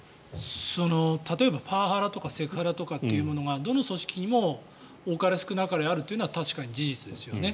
例えばパワハラとかセクハラとかというものがどの組織にも多かれ少なかれあるというのは確かに事実ですよね。